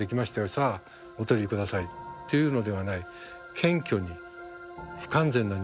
さあお取り下さい」っていうのではない。